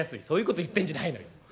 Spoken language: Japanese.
「そういうこと言ってんじゃないのよ。